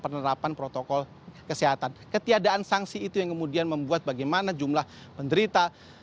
penerapan protokol kesehatan ketiadaan sanksi itu yang kemudian membuat bagaimana jumlah penderita